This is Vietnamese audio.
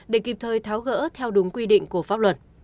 để kịp thời tháo gỡ theo đúng quy định của pháp luật